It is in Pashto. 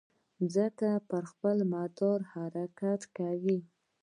مځکه پر خپل مدار حرکت کوي.